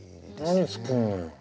何作るのよ？